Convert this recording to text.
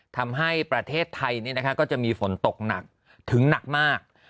ทำให้ประเทศไทยก็จะมีฝนตกหนักถึงหนักมาก